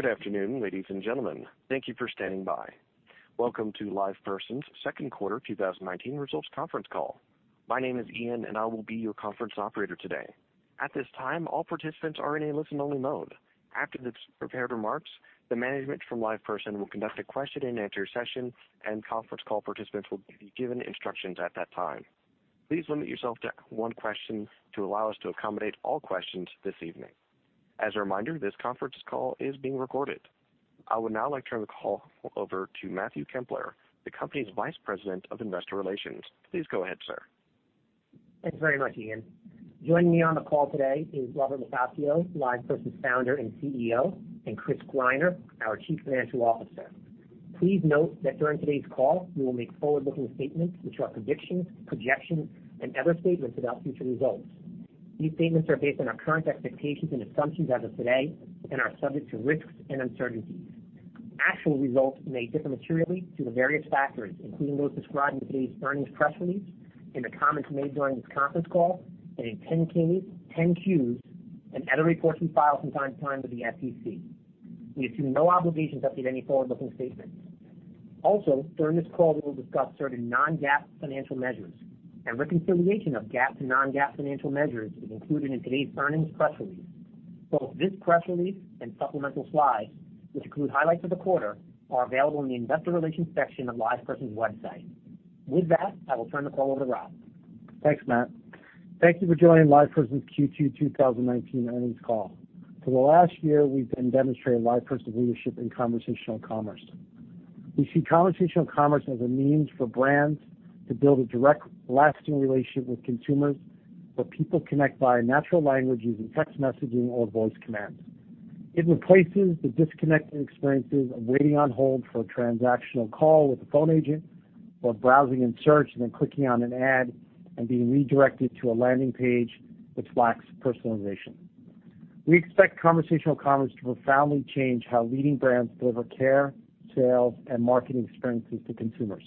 Good afternoon, ladies and gentlemen. Thank you for standing by. Welcome to LivePerson's second quarter 2019 results conference call. My name is Ian, and I will be your conference operator today. At this time, all participants are in a listen-only mode. After the prepared remarks, the management from LivePerson will conduct a question and answer session, and conference call participants will be given instructions at that time. Please limit yourself to one question to allow us to accommodate all questions this evening. As a reminder, this conference call is being recorded. I would now like to turn the call over to Matthew Kempler, the company's Vice President of Investor Relations. Please go ahead, sir. Thanks very much, Ian. Joining me on the call today is Robert LoCascio, LivePerson's founder and CEO, and Chris Greiner, our Chief Financial Officer. Please note that during today's call, we will make forward-looking statements which are predictions, projections, and other statements about future results. These statements are based on our current expectations and assumptions as of today and are subject to risks and uncertainties. Actual results may differ materially due to various factors, including those described in today's earnings press release, in the comments made during this conference call, and in 10-Ks, 10-Qs, and other reports we file from time to time with the SEC. We assume no obligation to update any forward-looking statements. Also, during this call, we will discuss certain non-GAAP financial measures, and reconciliation of GAAP to non-GAAP financial measures is included in today's earnings press release. Both this press release and supplemental slides, which include highlights of the quarter, are available in the investor relations section of LivePerson's website. With that, I will turn the call over to Rob. Thanks, Matt. Thank you for joining LivePerson's Q2 2019 earnings call. For the last year, we've been demonstrating LivePerson leadership in conversational commerce. We see conversational commerce as a means for brands to build a direct, lasting relationship with consumers where people connect via natural language using text messaging or voice commands. It replaces the disconnected experiences of waiting on hold for a transactional call with a phone agent or browsing in search and then clicking on an ad and being redirected to a landing page which lacks personalization. We expect conversational commerce to profoundly change how leading brands deliver care, sales, and marketing experiences to consumers.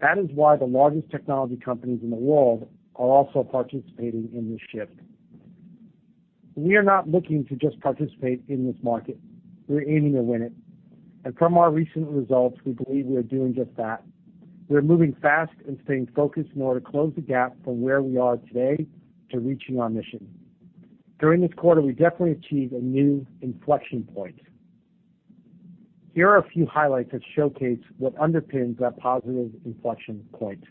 That is why the largest technology companies in the world are also participating in this shift. We are not looking to just participate in this market. We're aiming to win it, and from our recent results, we believe we are doing just that. We are moving fast and staying focused in order to close the gap from where we are today to reaching our mission. During this quarter, we definitely achieved a new inflection point. Here are a few highlights that showcase what underpins that positive inflection point.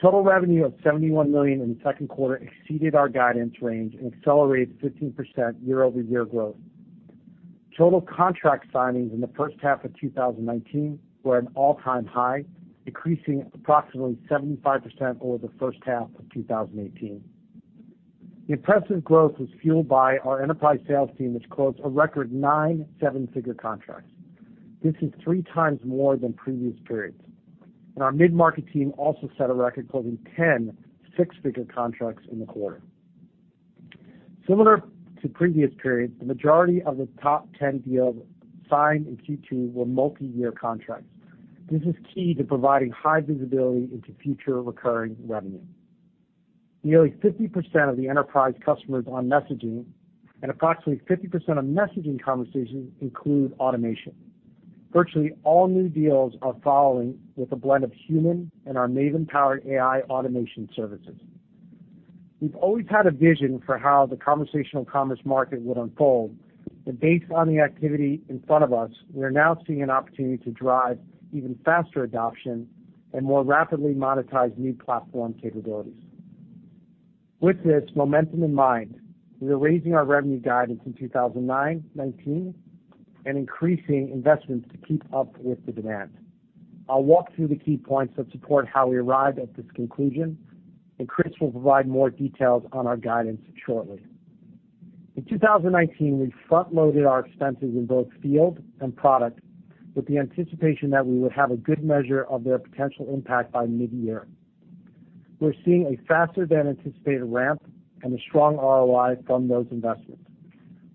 Total revenue of $71 million in the second quarter exceeded our guidance range and accelerated 15% year-over-year growth. Total contract signings in the H1 of 2019 were an all-time high, increasing approximately 75% over the H1 of 2018. The impressive growth was fueled by our enterprise sales team, which closed a record nine seven-figure contracts. This is three times more than previous periods. Our mid-market team also set a record, closing 10 six-figure contracts in the quarter. Similar to previous periods, the majority of the top 10 deals signed in Q2 were multi-year contracts. This is key to providing high visibility into future recurring revenue. Nearly 50% of the enterprise customers are on messaging, and approximately 50% of messaging conversations include automation. Virtually all new deals are following with a blend of human and our Maven-powered AI automation services. We've always had a vision for how the conversational commerce market would unfold, but based on the activity in front of us, we are now seeing an opportunity to drive even faster adoption and more rapidly monetize new platform capabilities. With this momentum in mind, we are raising our revenue guidance in 2019 and increasing investments to keep up with the demand. I'll walk through the key points that support how we arrived at this conclusion, and Chris will provide more details on our guidance shortly. In 2019, we front-loaded our expenses in both field and product with the anticipation that we would have a good measure of their potential impact by mid-year. We are seeing a faster-than-anticipated ramp and a strong ROI from those investments.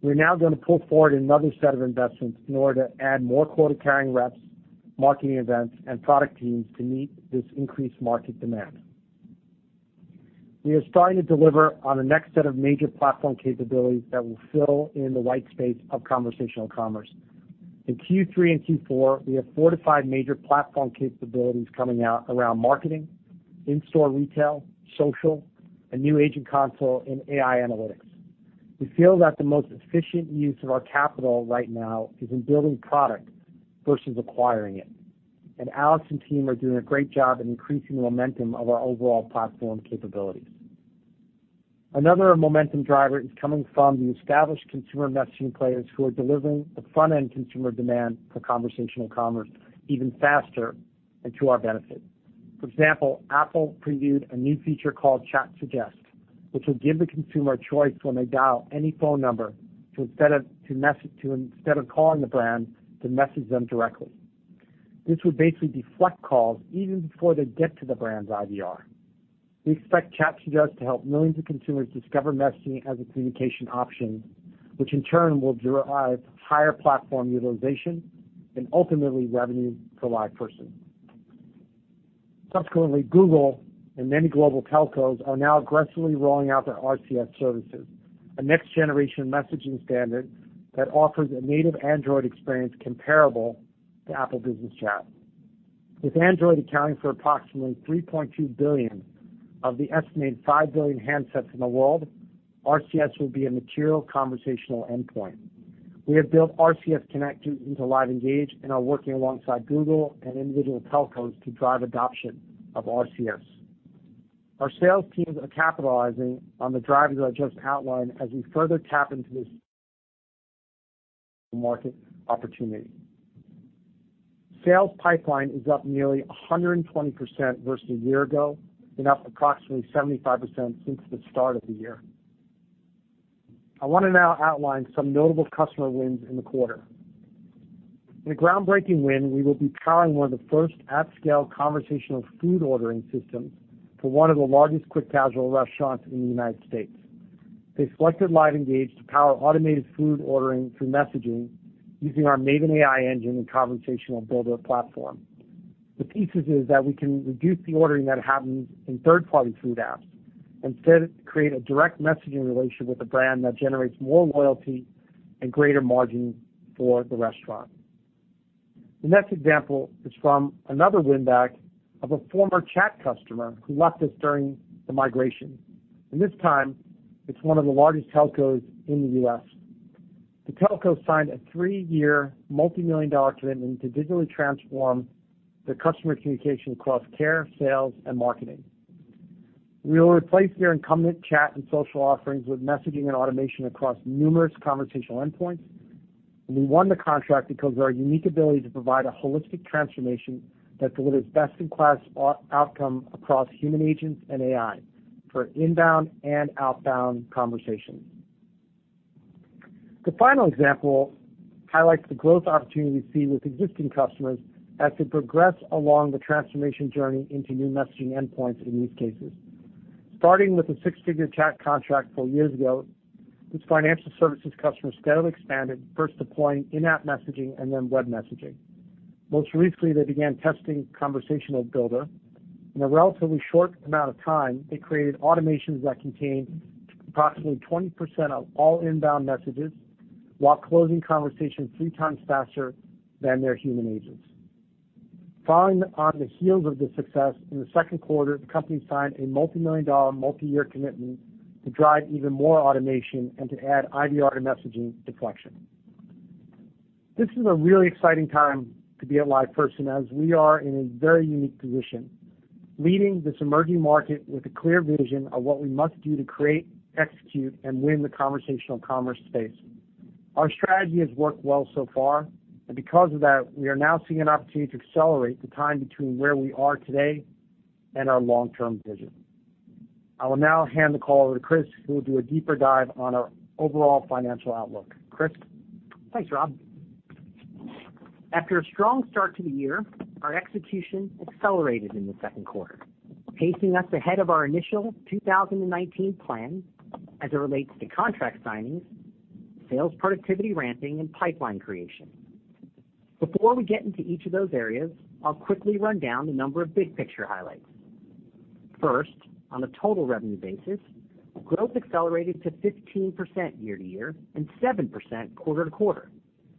We are now going to pull forward another set of investments in order to add more quota-carrying reps, marketing events, and product teams to meet this increased market demand. We are starting to deliver on the next set of major platform capabilities that will fill in the white space of conversational commerce. In Q3 and Q4, we have four to five major platform capabilities coming out around marketing, in-store retail, social, a new agent console, and AI analytics. We feel that the most efficient use of our capital right now is in building product versus acquiring it. Alex and team are doing a great job at increasing the momentum of our overall platform capabilities. Another momentum driver is coming from the established consumer messaging players who are delivering the front-end consumer demand for conversational commerce even faster and to our benefit. For example, Apple previewed a new feature called Chat Suggest, which will give the consumer a choice when they dial any phone number to, instead of calling the brand, to message them directly. This would basically deflect calls even before they get to the brand's IVR. We expect Chat Suggest to help millions of consumers discover messaging as a communication option, which in turn will derive higher platform utilization and ultimately revenue for LivePerson. Google and many global telcos are now aggressively rolling out their RCS services, a next-generation messaging standard that offers a native Android experience comparable to Apple Business Chat. With Android accounting for approximately 3.2 billion of the estimated 5 billion handsets in the world, RCS will be a material conversational endpoint. We have built RCS Connect into LiveEngage and are working alongside Google and individual telcos to drive adoption of RCS. Our sales teams are capitalizing on the drivers I just outlined as we further tap into this market opportunity. Sales pipeline is up nearly 120% versus a year ago and up approximately 75% since the start of the year. I want to now outline some notable customer wins in the quarter. In a groundbreaking win, we will be powering one of the first at-scale conversational food ordering systems for one of the largest quick casual restaurants in the United States. They selected LiveEngage to power automated food ordering through messaging using our Maven AI engine and Conversational Builder platform. The thesis is that we can reduce the ordering that happens in third-party food apps. Instead, create a direct messaging relationship with a brand that generates more loyalty and greater margin for the restaurant. The next example is from another win-back of a former chat customer who left us during the migration, and this time it's one of the largest telcos in the U.S. The telco signed a three-year multimillion-dollar commitment to digitally transform their customer communication across care, sales, and marketing. We will replace their incumbent chat and social offerings with messaging and automation across numerous conversational endpoints. We won the contract because of our unique ability to provide a holistic transformation that delivers best-in-class outcome across human agents and AI for inbound and outbound conversations. The final example highlights the growth opportunity we see with existing customers as they progress along the transformation journey into new messaging endpoints in these cases. Starting with a six-figure chat contract four years ago, this financial services customer steadily expanded, first deploying in-app messaging and then web messaging. Most recently, they began testing Conversational Builder. In a relatively short amount of time, they created automations that contain approximately 20% of all inbound messages while closing conversations three times faster than their human agents. Following on the heels of this success, in the second quarter, the company signed a multi-million dollar, multi-year commitment to drive even more automation and to add IVR to messaging deflection. This is a really exciting time to be at LivePerson, as we are in a very unique position, leading this emerging market with a clear vision of what we must do to create, execute, and win the conversational commerce space. Our strategy has worked well so far, and because of that, we are now seeing an opportunity to accelerate the time between where we are today and our long-term vision. I will now hand the call over to Chris, who will do a deeper dive on our overall financial outlook. Chris? Thanks, Rob. After a strong start to the year, our execution accelerated in the second quarter, pacing us ahead of our initial 2019 plan as it relates to contract signings, sales productivity ramping, and pipeline creation. Before we get into each of those areas, I'll quickly run down a number of big-picture highlights. First, on a total revenue basis, growth accelerated to 15% year-over-year and 7% quarter-over-quarter,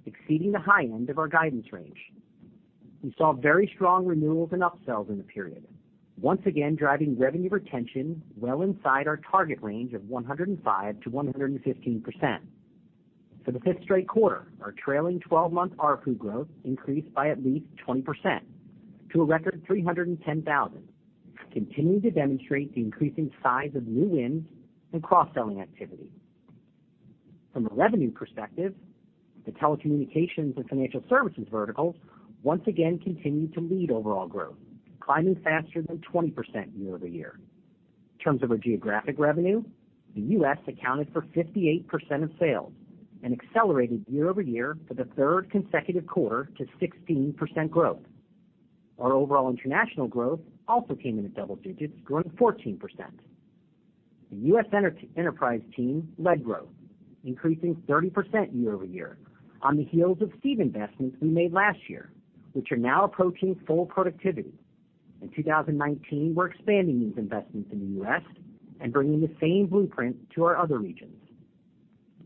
exceeding the high end of our guidance range. We saw very strong renewals and upsells in the period, once again driving revenue retention well inside our target range of 105%-115%. For the fifth straight quarter, our trailing 12-month ARPU growth increased by at least 20% to a record $310,000, continuing to demonstrate the increasing size of new wins and cross-selling activity. From a revenue perspective, the telecommunications and financial services verticals once again continued to lead overall growth, climbing faster than 20% year-over-year. In terms of our geographic revenue, the U.S. accounted for 58% of sales and accelerated year-over-year for the third consecutive quarter to 16% growth. Our overall international growth also came in at double digits, growing 14%. The U.S. enterprise team led growth, increasing 30% year-over-year on the heels of steep investments we made last year, which are now approaching full productivity. In 2019, we're expanding these investments in the U.S. and bringing the same blueprint to our other regions.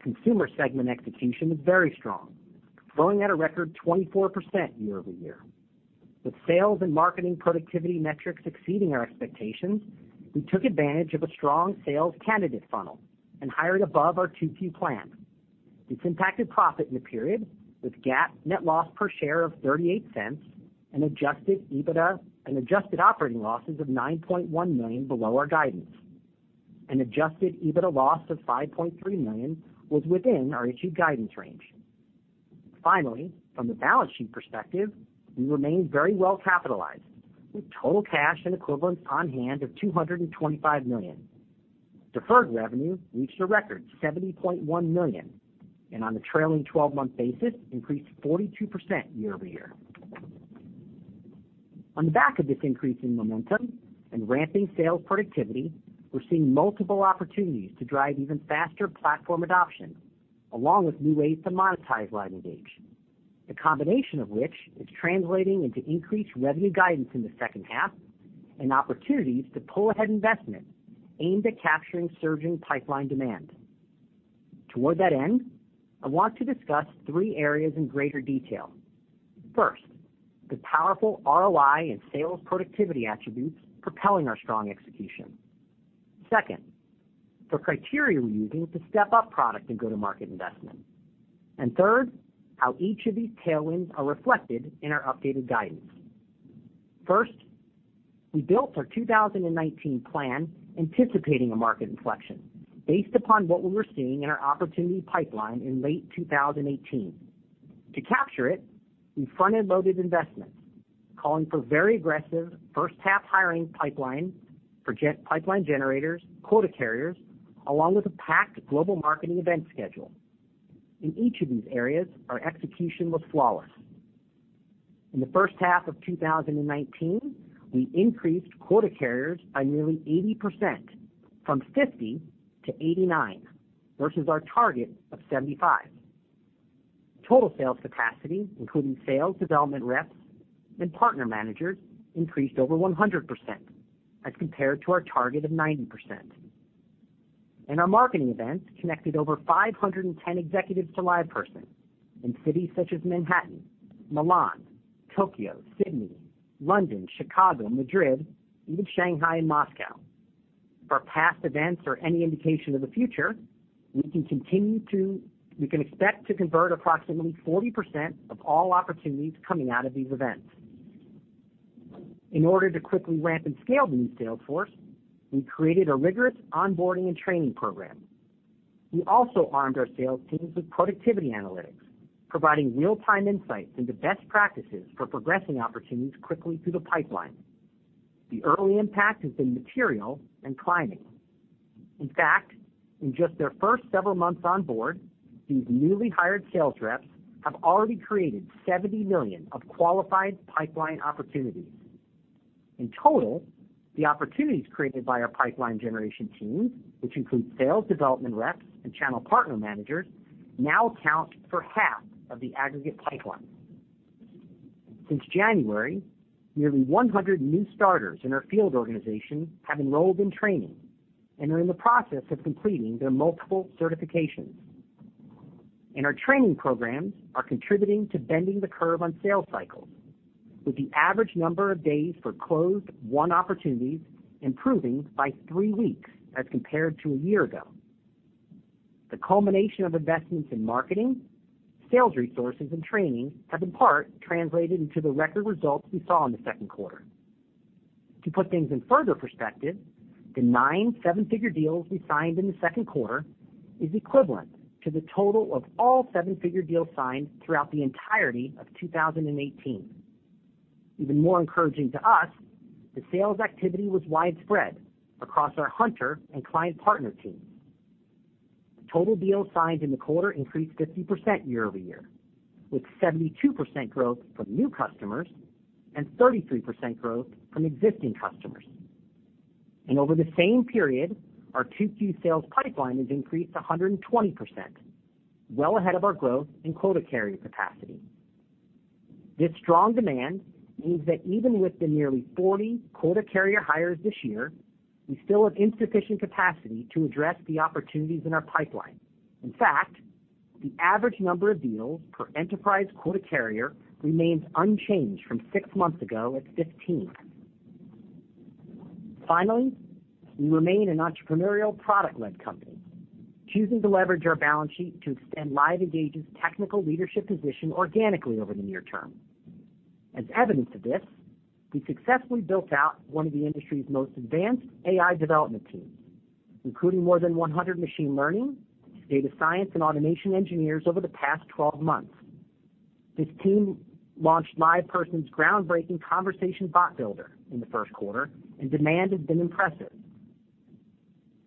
Consumer segment execution was very strong, growing at a record 24% year-over-year. With sales and marketing productivity metrics exceeding our expectations, we took advantage of a strong sales candidate funnel and hired above our 2Q plan. This impacted profit in the period, with GAAP net loss per share of $0.38 and adjusted operating losses of $9.1 million below our guidance. An adjusted EBITDA loss of $5.3 million was within our issued guidance range. Finally, from a balance sheet perspective, we remain very well capitalized with total cash and equivalents on hand of $225 million. Deferred revenue reached a record $70.1 million, and on a trailing 12-month basis, increased 42% year-over-year. On the back of this increase in momentum and ramping sales productivity, we're seeing multiple opportunities to drive even faster platform adoption, along with new ways to monetize LiveEngage, the combination of which is translating into increased revenue guidance in the second half and opportunities to pull ahead investment aimed at capturing surging pipeline demand. Toward that end, I want to discuss three areas in greater detail. First, the powerful ROI and sales productivity attributes propelling our strong execution. Second, the criteria we're using to step up product and go-to-market investment. Third, how each of these tailwinds are reflected in our updated guidance. First, we built our 2019 plan anticipating a market inflection based upon what we were seeing in our opportunity pipeline in late 2018. To capture it, we front-ended loaded investments, calling for very aggressive first half hiring pipeline for pipeline generators, quota carriers, along with a packed global marketing event schedule. In each of these areas, our execution was flawless. In the H1 of 2019, we increased quota carriers by nearly 80%, from 50-89, versus our target of 75. Total sales capacity, including sales development reps and partner managers, increased over 100% as compared to our target of 90%. Our marketing events connected over 510 executives to LivePerson in cities such as Manhattan, Milan, Tokyo, Sydney, London, Chicago, Madrid, even Shanghai and Moscow. If our past events are any indication of the future, we can expect to convert approximately 40% of all opportunities coming out of these events. In order to quickly ramp and scale the new sales force, we created a rigorous onboarding and training program. We also armed our sales teams with productivity analytics, providing real-time insights into best practices for progressing opportunities quickly through the pipeline. The early impact has been material and climbing. In fact, in just their first several months on board, these newly hired sales reps have already created $70 million of qualified pipeline opportunities. In total, the opportunities created by our pipeline generation teams, which include sales development reps and channel partner managers, now account for half of the aggregate pipeline. Since January, nearly 100 new starters in our field organization have enrolled in training and are in the process of completing their multiple certifications. Our training programs are contributing to bending the curve on sales cycles with the average number of days for closed won opportunities improving by three weeks as compared to a year ago. The culmination of investments in marketing, sales resources, and training have in part translated into the record results we saw in the second quarter. To put things in further perspective, the nine seven-figure deals we signed in the second quarter is equivalent to the total of all seven-figure deals signed throughout the entirety of 2018. Even more encouraging to us, the sales activity was widespread across our hunter and client partner teams. The total deals signed in the quarter increased 50% year-over-year, with 72% growth from new customers and 33% growth from existing customers. Over the same period, our 2Q sales pipeline has increased 120%, well ahead of our growth in quota carrier capacity. This strong demand means that even with the nearly 40 quota carrier hires this year, we still have insufficient capacity to address the opportunities in our pipeline. In fact, the average number of deals per enterprise quota carrier remains unchanged from six months ago at 15. Finally, we remain an entrepreneurial product-led company, choosing to leverage our balance sheet to extend LiveEngage's technical leadership position organically over the near term. As evidence of this, we successfully built out one of the industry's most advanced AI development teams, including more than 100 machine learning, data science, and automation engineers over the past 12 months. This team launched LivePerson's groundbreaking conversation bot builder in the first quarter, and demand has been impressive.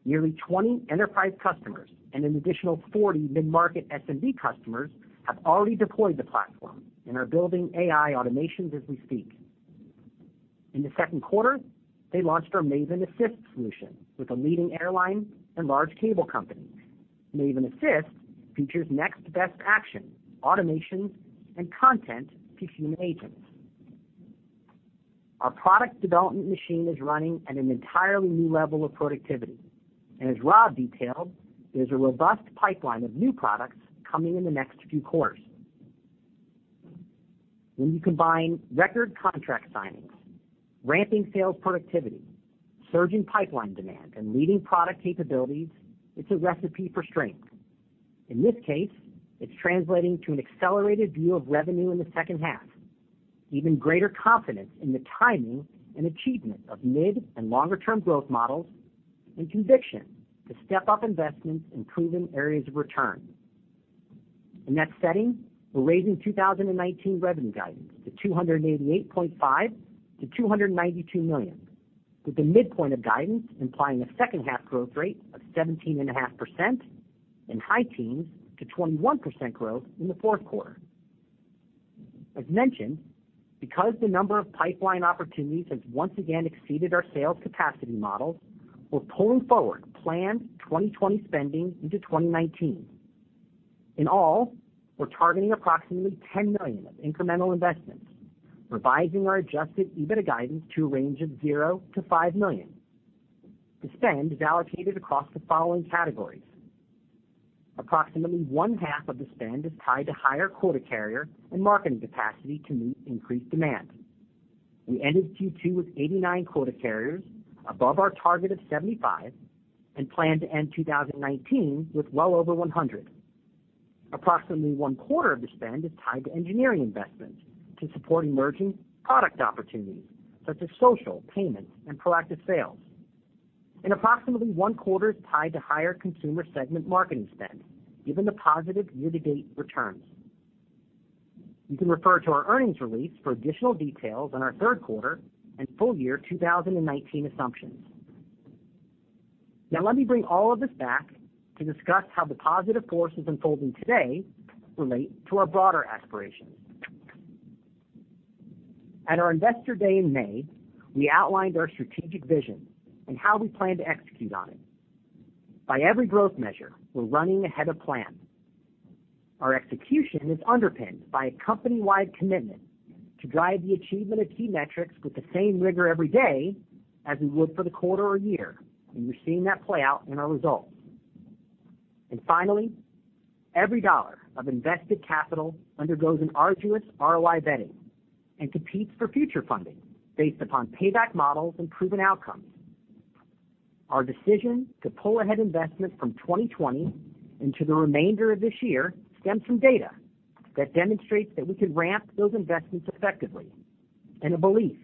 Nearly 20 enterprise customers and an additional 40 mid-market SMB customers have already deployed the platform and are building AI automations as we speak. In the second quarter, they launched our Maven Assist solution with a leading airline and large cable companies. Maven Assist features next best action, automations, and content to human agents. Our product development machine is running at an entirely new level of productivity. As Rob detailed, there's a robust pipeline of new products coming in the next few quarters. When you combine record contract signings, ramping sales productivity, surging pipeline demand, and leading product capabilities, it's a recipe for strength. In this case, it's translating to an accelerated view of revenue in the second half, even greater confidence in the timing and achievement of mid and longer-term growth models, and conviction to step up investments in proven areas of return. In that setting, we're raising 2019 revenue guidance to $288.5 million-$292 million, with the midpoint of guidance implying a second half growth rate of 17.5% and high teens to 21% growth in the fourth quarter. As mentioned, because the number of pipeline opportunities has once again exceeded our sales capacity model, we're pulling forward planned 2020 spending into 2019. In all, we're targeting approximately $10 million of incremental investments, revising our adjusted EBITDA guidance to a range of $0-$5 million. The spend is allocated across the following categories. Approximately one-half of the spend is tied to higher quota carrier and marketing capacity to meet increased demand. We ended Q2 with 89 quota carriers, above our target of 75, and plan to end 2019 with well over 100. Approximately one quarter of the spend is tied to engineering investments to support emerging product opportunities such as social, payments, and proactive sales. Approximately one quarter is tied to higher consumer segment marketing spend, given the positive year-to-date returns. You can refer to our earnings release for additional details on our third quarter and full year 2019 assumptions. Now let me bring all of this back to discuss how the positive forces unfolding today relate to our broader aspirations. At our Investor Day in May, we outlined our strategic vision and how we plan to execute on it. By every growth measure, we're running ahead of plan. Our execution is underpinned by a company-wide commitment to drive the achievement of key metrics with the same rigor every day as we would for the quarter or year, and we're seeing that play out in our results. Finally, every dollar of invested capital undergoes an arduous ROI vetting and competes for future funding based upon payback models and proven outcomes. Our decision to pull ahead investments from 2020 into the remainder of this year stems from data that demonstrates that we can ramp those investments effectively and a belief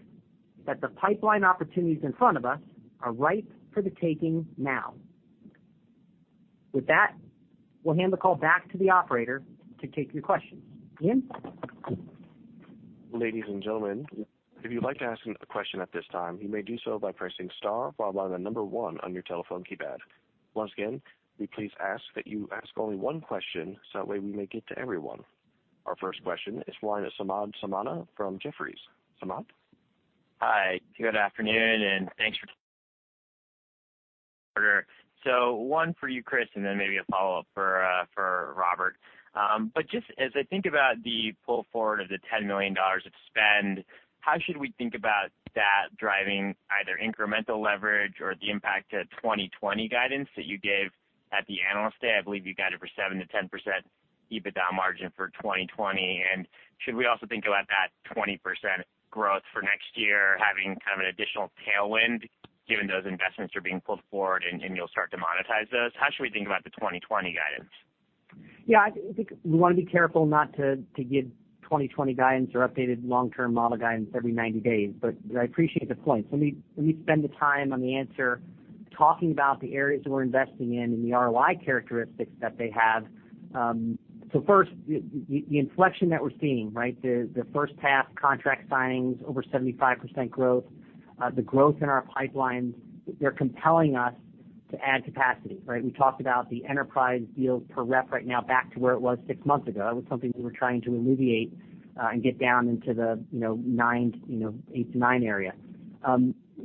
that the pipeline opportunities in front of us are ripe for the taking now. With that, we'll hand the call back to the operator to take your questions. Ian? Ladies and gentlemen, if you'd like to ask a question at this time, you may do so by pressing star followed by the number one on your telephone keypad. Once again, we please ask that you ask only one question so that way we may get to everyone. Our first question is line of Samad Samana from Jefferies. Samad? Hi, good afternoon and thanks for quarter. One for you, Chris, and then maybe a follow-up for Robert. Just as I think about the pull forward of the $10 million of spend, how should we think about that driving either incremental leverage or the impact to 2020 guidance that you gave at the Analyst Day? I believe you guided for 7%-10% EBITDA margin for 2020. Should we also think about that 20% growth for next year having kind of an additional tailwind given those investments are being pulled forward and you'll start to monetize those? How should we think about the 2020 guidance? Yeah, I think we want to be careful not to give 2020 guidance or updated long-term model guidance every 90 days. I appreciate the point. Let me spend the time on the answer talking about the areas that we're investing in and the ROI characteristics that they have. First, the inflection that we're seeing, right? The first half contract signings, over 75% growth. The growth in our pipelines, they're compelling us to add capacity, right? We talked about the enterprise deals per rep right now back to where it was six months ago. That was something we were trying to alleviate and get down into the eight to nine area.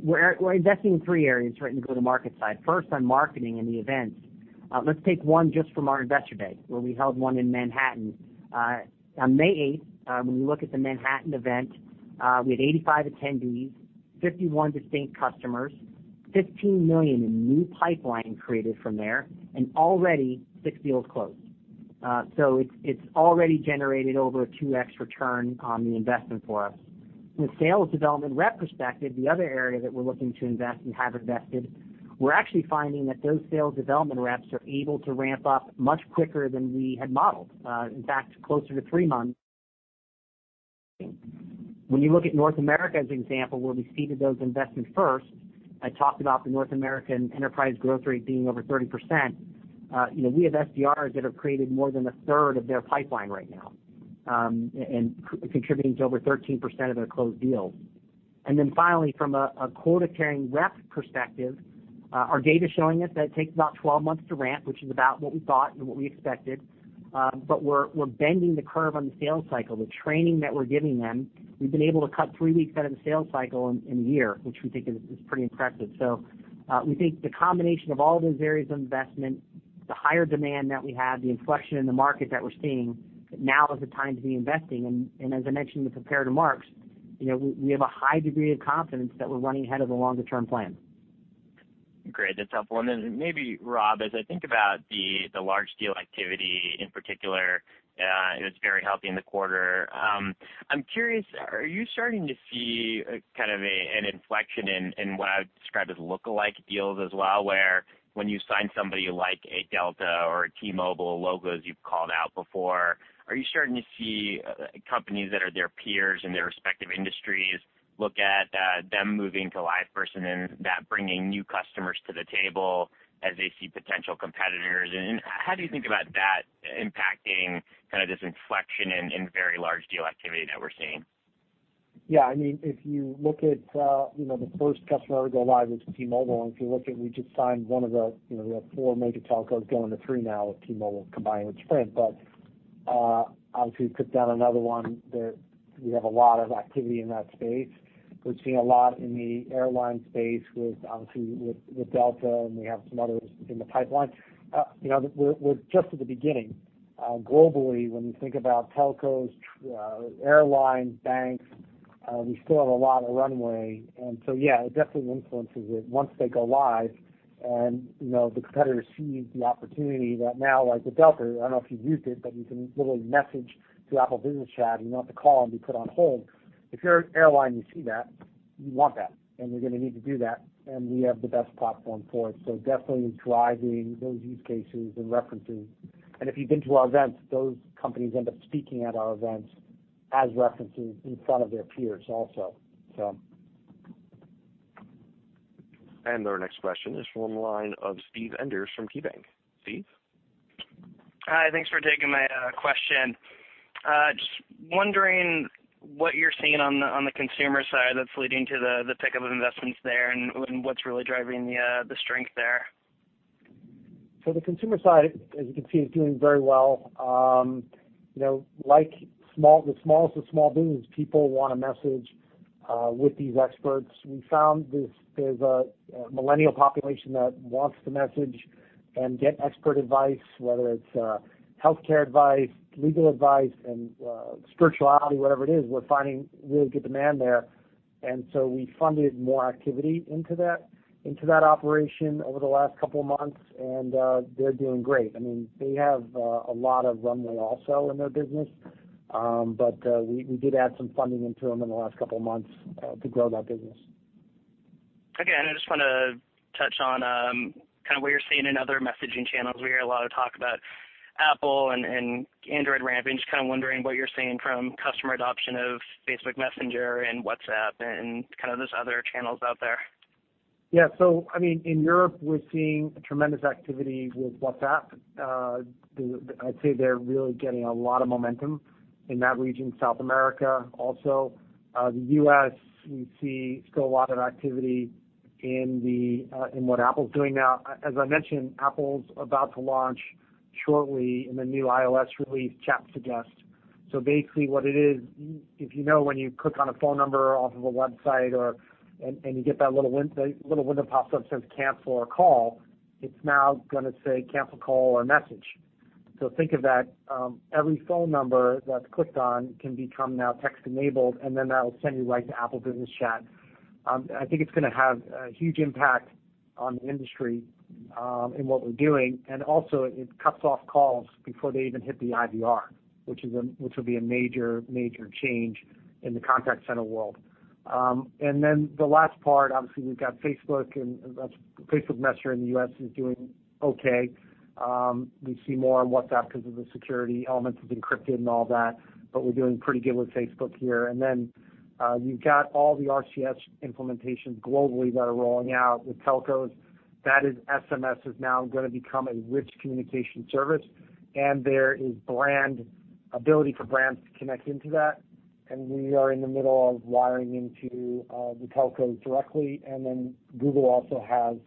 We're investing in three areas, right, in the go-to-market side. First on marketing and the events. Let's take one just from our Investor Day, where we held one in Manhattan. On May 8th, when we look at the Manhattan event, we had 85 attendees, 51 distinct customers, $15 million in new pipeline created from there, and already six deals closed. It's already generated over a 2x return on the investment for us. From a sales development rep perspective, the other area that we're looking to invest and have invested, we're actually finding that those sales development reps are able to ramp up much quicker than we had modeled. In fact, closer to three months. When you look at North America as an example, where we seeded those investments first, I talked about the North American enterprise growth rate being over 30%. We have SDRs that have created more than a third of their pipeline right now, and contributing to over 13% of their closed deals. Finally, from a quota-carrying rep perspective, our data's showing us that it takes about 12 months to ramp, which is about what we thought and what we expected. We're bending the curve on the sales cycle. The training that we're giving them, we've been able to cut three weeks out of the sales cycle in a year, which we think is pretty impressive. We think the combination of all those areas of investment, the higher demand that we have, the inflection in the market that we're seeing, now is the time to be investing. As I mentioned in the prepared remarks, we have a high degree of confidence that we're running ahead of the longer-term plan. Great. That's helpful. Then maybe Rob, as I think about the large deal activity in particular, it was very healthy in the quarter. I'm curious, are you starting to see kind of an inflection in what I would describe as lookalike deals as well, where when you sign somebody like a Delta or a T-Mobile, logos you've called out before, are you starting to see companies that are their peers in their respective industries look at them moving to LivePerson and that bringing new customers to the table as they see potential competitors? How do you think about that impacting kind of this inflection in very large deal activity that we're seeing? Yeah, if you look at the first customer to go live was T-Mobile, and if you look at we just signed one of the four major telcos, going to three now with T-Mobile combining with Sprint. Obviously, we put down another one that we have a lot of activity in that space. We're seeing a lot in the airline space obviously with Delta, and we have some others in the pipeline. We're just at the beginning. Globally, when we think about telcos, airlines, banks, we still have a lot of runway. Yeah, it definitely influences it once they go live and the competitor sees the opportunity that now, like with Delta, I don't know if you've used it, but you can literally message through Apple Business Chat. You don't have to call and be put on hold. If you're an airline, you see that, you want that, and you're going to need to do that, and we have the best platform for it. Definitely driving those use cases and references. If you've been to our events, those companies end up speaking at our events as references in front of their peers also. Our next question is from the line of Steve Enders from KeyBanc. Steve? Hi. Thanks for taking my question. Just wondering what you're seeing on the consumer side that's leading to the pickup of investments there, and what's really driving the strength there. The consumer side, as you can see, is doing very well. Like the smallest of small business, people want to message with these experts. We found there's a millennial population that wants to message and get expert advice, whether it's healthcare advice, legal advice, and spirituality, whatever it is, we're finding really good demand there. We funded more activity into that operation over the last couple of months. They're doing great. They have a lot of runway also in their business. We did add some funding into them in the last couple of months to grow that business. Okay. I just want to touch on kind of what you're seeing in other messaging channels. We hear a lot of talk about Apple and Android ramping. Just kind of wondering what you're seeing from customer adoption of Facebook Messenger and WhatsApp and kind of those other channels out there? Yeah. I mean, in Europe, we're seeing tremendous activity with WhatsApp. I'd say they're really getting a lot of momentum in that region. South America also. The U.S., we see still a lot of activity in what Apple's doing now. As I mentioned, Apple's about to launch shortly in the new iOS release, Chat Suggest. Basically what it is, if you know when you click on a phone number off of a website and you get that little window pops up says, "Cancel or call," it's now gonna say, "Cancel call or message." Think of that. Every phone number that's clicked on can become now text-enabled, and then that'll send you right to Apple Business Chat. I think it's gonna have a huge impact on the industry, in what we're doing, also it cuts off calls before they even hit the IVR, which will be a major change in the contact center world. The last part, obviously we've got Facebook, and Facebook Messenger in the U.S. is doing okay. We see more on WhatsApp because of the security elements, it's encrypted and all that, but we're doing pretty good with Facebook here. You've got all the RCS implementations globally that are rolling out with telcos. That is SMS is now gonna become a rich communication service, and there is ability for brands to connect into that. We are in the middle of wiring into the telcos directly. Google also has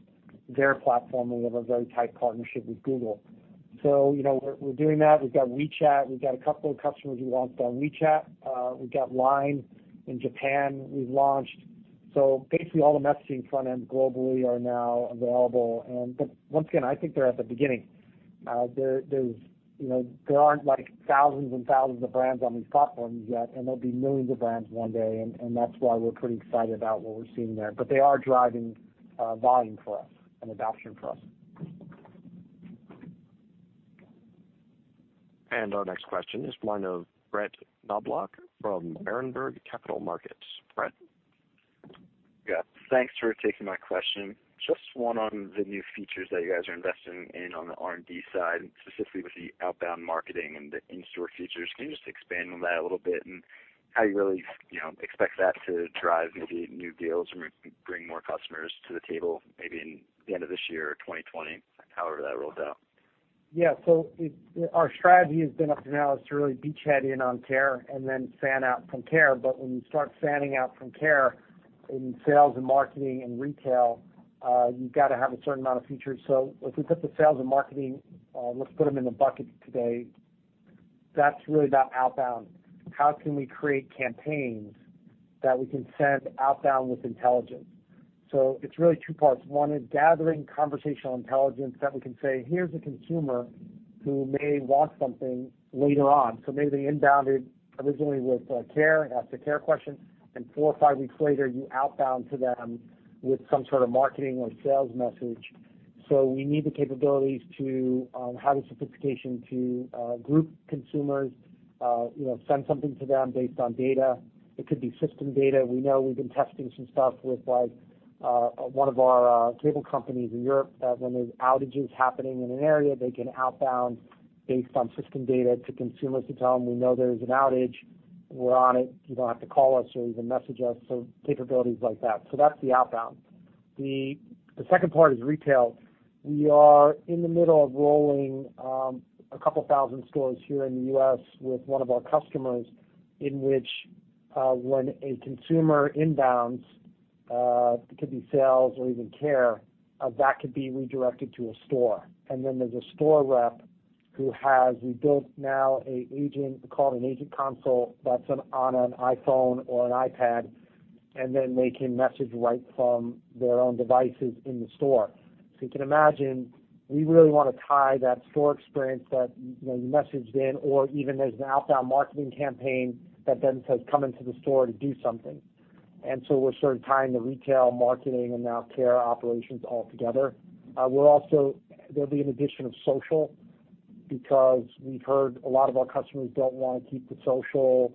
their platform, and we have a very tight partnership with Google. We're doing that. We've got WeChat. We've got a couple of customers who launched on WeChat. We've got LINE in Japan we've launched. Basically, all the messaging front ends globally are now available. Once again, I think they're at the beginning. There aren't like thousands and thousands of brands on these platforms yet. There'll be millions of brands one day. That's why we're pretty excited about what we're seeing there. They are driving volume for us and adoption for us. Our next question is line of Brett Knoblauch from Berenberg Capital Markets. Brett? Yeah. Thanks for taking my question. Just one on the new features that you guys are investing in on the R&D side, and specifically with the outbound marketing and the in-store features. Can you just expand on that a little bit, and how you really expect that to drive maybe new deals or bring more customers to the table, maybe in the end of this year or 2020? However that rolls out. Yeah. Our strategy has been up to now is to really beachhead in on care and then fan out from care. When you start fanning out from care in sales and marketing and retail, you've got to have a certain amount of features. If we took the sales and marketing, let's put them in the bucket today, that's really about outbound. How can we create campaigns that we can send outbound with intelligence? It's really two parts. One is gathering conversational intelligence that we can say, "Here's a consumer who may want something later on." Maybe they inbounded originally with care, asked a care question, and four or five weeks later, you outbound to them with some sort of marketing or sales message. We need the capabilities to have the sophistication to group consumers, send something to them based on data. It could be system data. We know we've been testing some stuff with one of our cable companies in Europe that when there's outages happening in an area, they can outbound based on system data to consumers to tell them, "We know there's an outage. We're on it. You don't have to call us or even message us." Capabilities like that. That's the outbound. The second part is retail. We are in the middle of rolling a couple thousand stores here in the U.S. with one of our customers, in which when a consumer inbounds, it could be sales or even care, that could be redirected to a store. There's a store rep who has, we built now an agent, we call it an agent console, that's on an iPhone or an iPad, and then they can message right from their own devices in the store. You can imagine, we really want to tie that store experience that you messaged in or even as an outbound marketing campaign that then says, "Come into the store to do something." We're sort of tying the retail marketing and now care operations all together. There'll be an addition of social, because we've heard a lot of our customers don't want to keep the social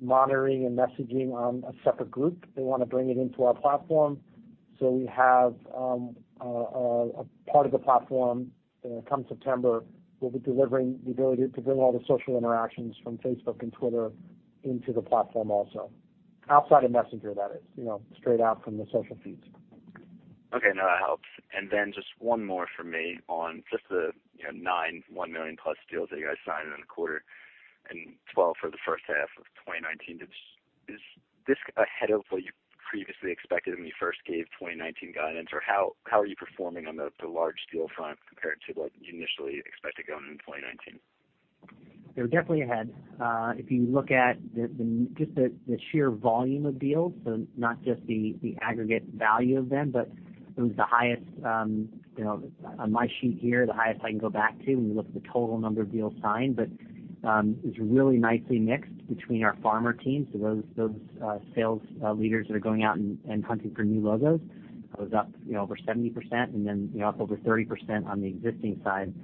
monitoring and messaging on a separate group. They want to bring it into our platform. We have a part of the platform, come September, we'll be delivering the ability to bring all the social interactions from Facebook and Twitter into the platform also. Outside of Messenger, that is. Straight out from the social feeds. Okay. No, that helps. Just one more from me on just the nine $1 million+ deals that you guys signed in the quarter and 12 for the H1 of 2019. Is this ahead of what you previously expected when you first gave 2019 guidance? How are you performing on the large deal front compared to what you initially expected going into 2019? They're definitely ahead. If you look at just the sheer volume of deals, so not just the aggregate value of them, but it was, on my sheet here, the highest I can go back to when you look at the total number of deals signed. It was really nicely mixed between our farmer teams, so those sales leaders that are going out and hunting for new logos. That was up over 70%, and then up over 30% on the existing side.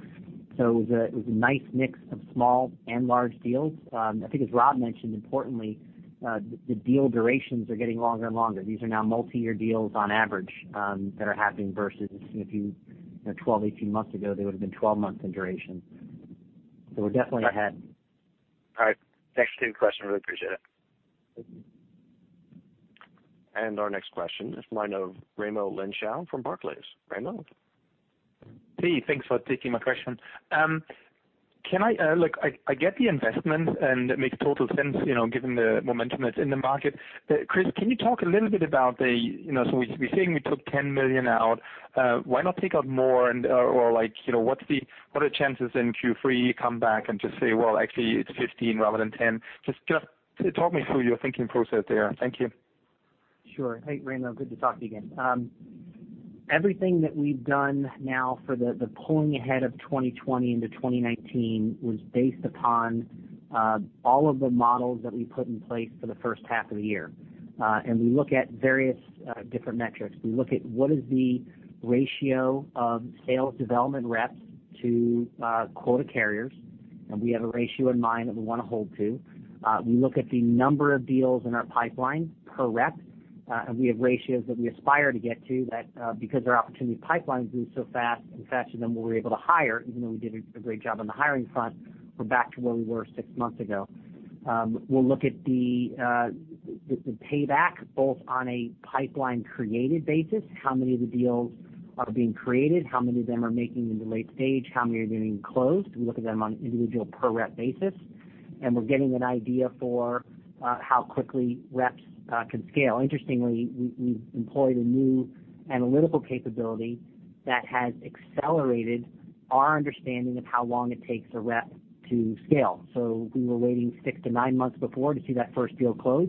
It was a nice mix of small and large deals. I think, as Rob mentioned, importantly, the deal durations are getting longer and longer. These are now multi-year deals on average that are happening versus 12-18 months ago, they would've been 12 months in duration. We're definitely ahead. All right. Thanks for taking the question. Really appreciate it. Our next question is the line of Raimo Lenschow from Barclays. Raimo? Steve, thanks for taking my question. Look, I get the investment, and it makes total sense given the momentum that's in the market. Chris, can you talk a little bit about the, so we're saying we took $10 million out. Why not take out more? What are the chances in Q3 you come back and just say, "Well, actually, it's $15 rather than $10"? Just talk me through your thinking process there. Thank you. Sure. Hey, Raimo. Good to talk to you again. Everything that we've done now for the pulling ahead of 2020 into 2019 was based upon all of the models that we put in place for the first half of the year. We look at various different metrics. We look at what is the ratio of sales development reps to quota carriers, and we have a ratio in mind that we want to hold to. We look at the number of deals in our pipeline per rep. We have ratios that we aspire to get to that because our opportunity pipeline's moved so fast and faster than what we're able to hire, even though we did a great job on the hiring front, we're back to where we were six months ago. We'll look at the payback both on a pipeline-created basis, how many of the deals are being created, how many of them are making it into late stage, how many are getting closed. We look at them on an individual per-rep basis. We're getting an idea for how quickly reps can scale. Interestingly, we've employed a new analytical capability that has accelerated our understanding of how long it takes a rep to scale. We were waiting six to nine months before to see that first deal close.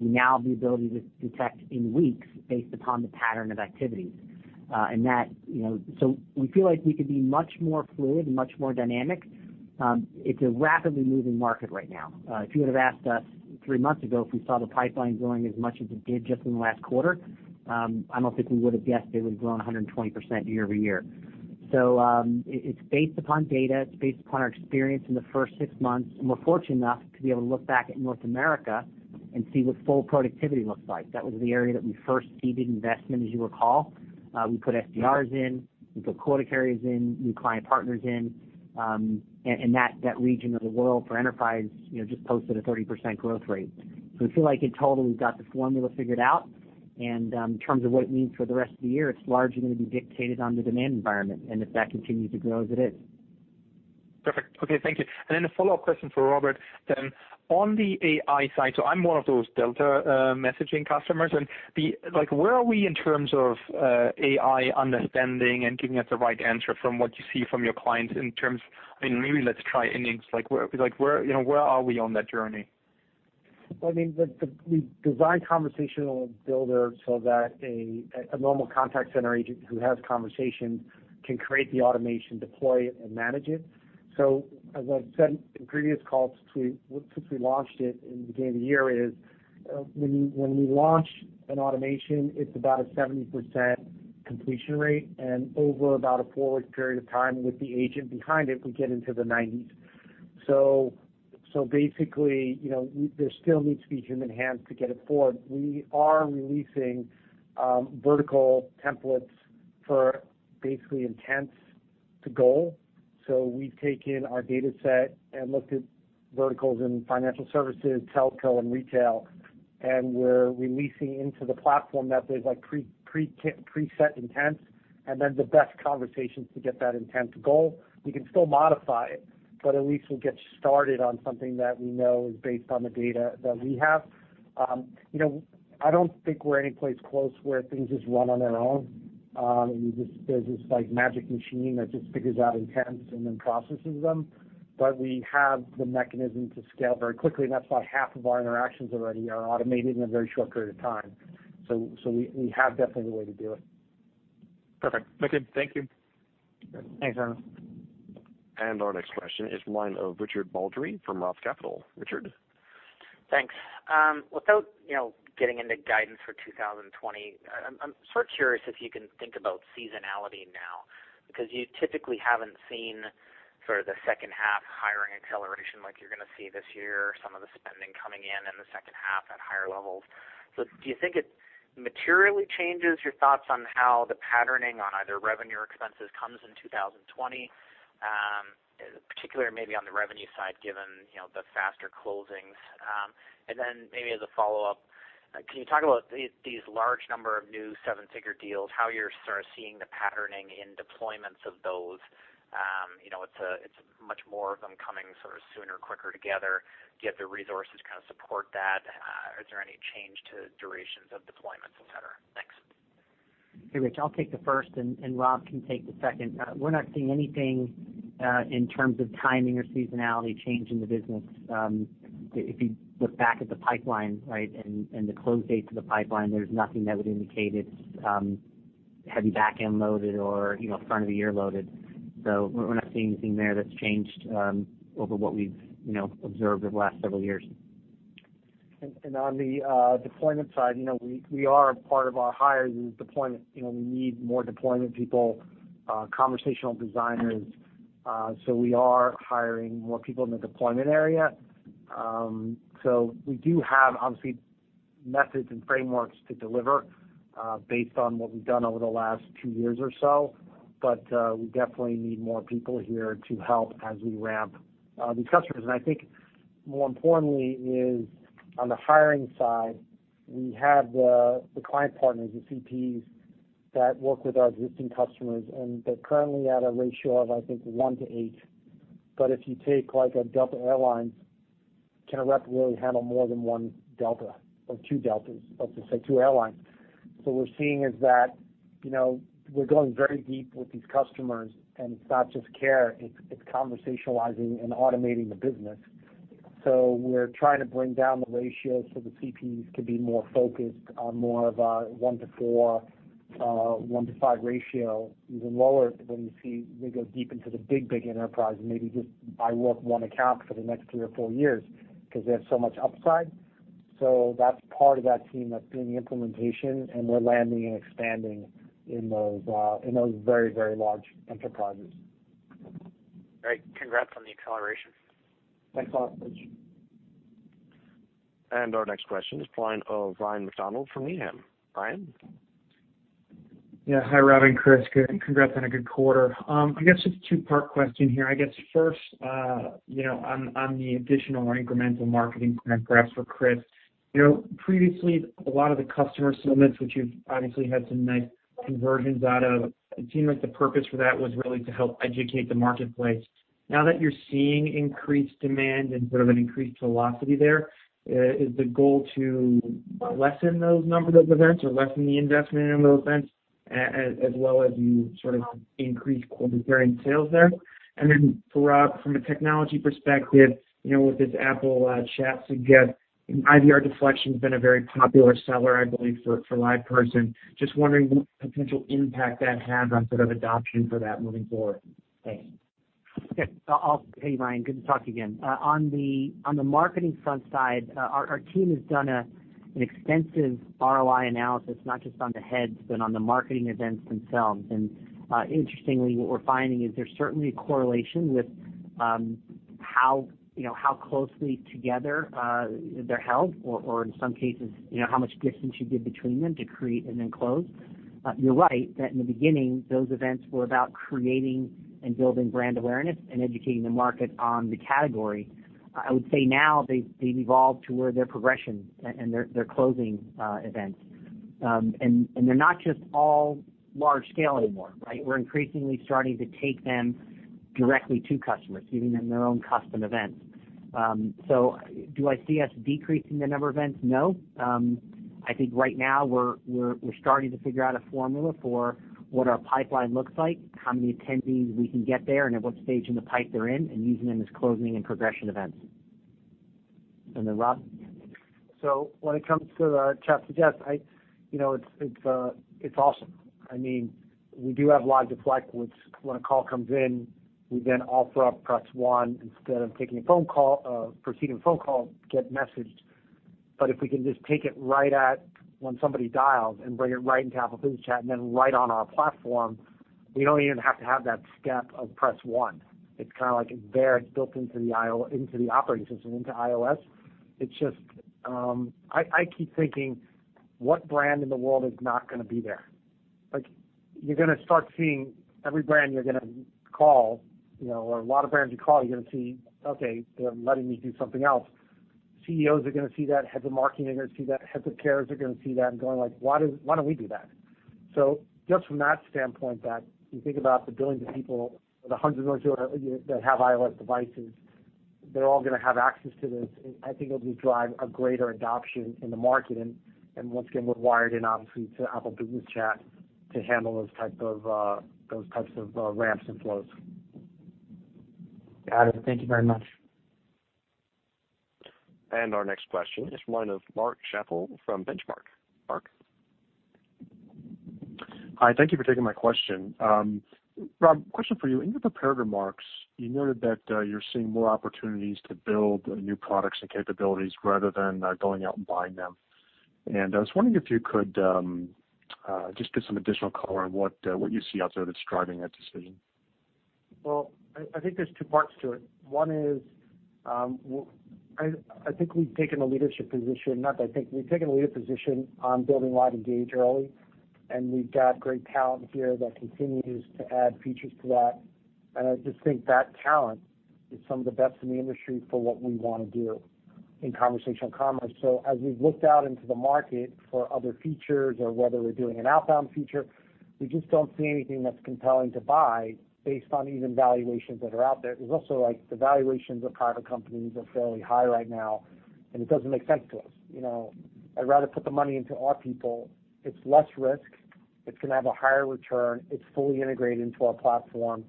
We now have the ability to detect in weeks based upon the pattern of activities. We feel like we could be much more fluid and much more dynamic. It's a rapidly moving market right now. If you would've asked us three months ago if we saw the pipeline growing as much as it did just in the last quarter, I don't think we would've guessed it would've grown 120% year-over-year. It's based upon data. It's based upon our experience in the first six months. We're fortunate enough to be able to look back at North America and see what full productivity looks like. That was the area that we first seeded investment, as you recall. We put SDRs in, we put quota carriers in, new client partners in. That region of the world for enterprise just posted a 30% growth rate. We feel like in total, we've got the formula figured out. In terms of what it means for the rest of the year, it's largely going to be dictated on the demand environment and if that continues to grow as it is. Perfect. Okay, thank you. A follow-up question for Robert then. On the AI side, so I'm one of those Delta messaging customers. Where are we in terms of AI understanding and giving us the right answer from what you see from your clients? I mean, maybe let's try innings. Where are we on that journey? Well, we designed Conversation Builder so that a normal contact center agent who has conversations can create the automation, deploy it, and manage it. As I've said in previous calls since we launched it in the beginning of the year is, when we launch an automation, it's about a 70% completion rate, and over about a four-week period of time with the agent behind it, we get into the 90s. Basically, there still needs to be human hands to get it forward. We are releasing vertical templates for basically intents to goal. We've taken our dataset and looked at verticals in financial services, telco, and retail. We're releasing into the platform that there's preset intents, and then the best conversations to get that intent to go. We can still modify it, but at least we'll get started on something that we know is based on the data that we have. I don't think we're any place close to where things just run on their own, and there's this magic machine that just figures out intents and then processes them. We have the mechanism to scale very quickly, and that's why half of our interactions already are automated in a very short period of time. We have definitely a way to do it. Perfect. Okay. Thank you. Thanks, Raimo. Our next question is the line of Richard Baldry from Roth Capital. Richard? Thanks. Without getting into guidance for 2020, I'm sort of curious if you can think about seasonality now, because you typically haven't seen sort of the second half hiring acceleration like you're going to see this year, some of the spending coming in in the second half at higher levels. Do you think it materially changes your thoughts on how the patterning on either revenue or expenses comes in 2020, particularly maybe on the revenue side, given the faster closings? Maybe as a follow-up, can you talk about these large number of new seven-figure deals, how you're sort of seeing the patterning in deployments of those? It's much more of them coming sort of sooner, quicker together. Do you have the resources to kind of support that? Is there any change to durations of deployments, et cetera? Thanks. Hey, Rich. I will take the first and Rob can take the second. We're not seeing anything in terms of timing or seasonality change in the business. If you look back at the pipeline, right, and the close dates of the pipeline, there's nothing that would indicate it's heavy back-end loaded or front-of-the-year loaded. We're not seeing anything there that's changed over what we've observed over the last several years. On the deployment side, part of our hires is deployment. We need more deployment people, conversational designers. We are hiring more people in the deployment area. We do have, obviously, methods and frameworks to deliver based on what we've done over the last two years or so. We definitely need more people here to help as we ramp these customers. I think more importantly is on the hiring side, we have the client partners, the CPs, that work with our existing customers, and they're currently at a ratio of, I think, 1:8. If you take a Delta Air Lines, can a rep really handle more than one Delta or two Deltas, let's just say two airlines? What we're seeing is that we're going very deep with these customers, and it's not just care, it's conversationalizing and automating the business. We're trying to bring down the ratio so the CPs could be more focused on more of a 1:4, 1:5 ratio, even lower when you see they go deep into the big enterprise and maybe just I work one account for the next three or four years because they have so much upside. That's part of that team that's doing the implementation, and we're landing and expanding in those very large enterprises. Great. Congrats on the acceleration. Thanks a lot, Rich. Our next question is the line of Ryan MacDonald from Needham. Ryan? Yeah. Hi, Rob and Chris. Congrats on a good quarter. I guess just a two-part question here. I guess first, on the additional or incremental marketing plan, perhaps for Chris. Previously, a lot of the customer summits, which you've obviously had some nice conversions out of, it seemed like the purpose for that was really to help educate the marketplace. Now that you're seeing increased demand and sort of an increased velocity there, is the goal to lessen those number of events or lessen the investment in those events as well as you sort of increase recurring sales there? For Rob, from a technology perspective, with this Apple Chat Suggest, IVR deflection's been a very popular seller, I believe, for LivePerson. Just wondering what potential impact that has on sort of adoption for that moving forward. Thanks. Okay. Hey, Ryan. Good to talk again. On the marketing front side, our team has done an extensive ROI analysis, not just on the heads, but on the marketing events themselves. Interestingly, what we're finding is there's certainly a correlation with how closely together they're held or, in some cases, how much distance you give between them to create and then close. You're right, that in the beginning, those events were about creating and building brand awareness and educating the market on the category. I would say now they've evolved to where they're progression and they're closing events. They're not just all large scale anymore, right? We're increasingly starting to take them directly to customers, giving them their own custom events. Do I see us decreasing the number of events? No. I think right now we're starting to figure out a formula for what our pipeline looks like, how many attendees we can get there, and at what stage in the pipe they're in, and using them as closing and progression events. Then Rob? When it comes to Chat Suggest, it's awesome. We do have a lot of deflect, which when a call comes in, we then offer up press one instead of proceeding a phone call, get messaged. If we can just take it right at when somebody dials and bring it right into Apple Business Chat and then right on our platform, we don't even have to have that step of press one. It's kind of like there, it's built into the operating system, into iOS. I keep thinking, what brand in the world is not going to be there? Like you're going to start seeing every brand you're going to call, or a lot of brands you call, you're going to see, okay, they're letting me do something else. CEOs are going to see that, head of marketing are going to see that, heads of cares are going to see that and going like, "Why don't we do that?" Just from that standpoint that you think about the billions of people or the hundreds of millions that have iOS devices, they're all going to have access to this, and I think it'll drive a greater adoption in the market. Once again, we're wired in obviously to Apple Business Chat to handle those types of ramps and flows. Got it. Thank you very much. Our next question is the line of Mark Schappel from Benchmark. Mark. Hi. Thank you for taking my question. Rob, question for you. In your prepared remarks, you noted that you're seeing more opportunities to build new products and capabilities rather than going out and buying them. I was wondering if you could just give some additional color on what you see out there that's driving that decision. Well, I think there's two parts to it. One is, I think we've taken a leadership position, not that I think. We've taken a leadership position on building LiveEngage early, and we've got great talent here that continues to add features to that. I just think that talent is some of the best in the industry for what we want to do in conversational commerce. As we've looked out into the market for other features or whether we're doing an outbound feature, we just don't see anything that's compelling to buy based on even valuations that are out there. Also, like the valuations of private companies are fairly high right now, and it doesn't make sense to us. I'd rather put the money into our people. It's less risk. It's going to have a higher return. It's fully integrated into our platform.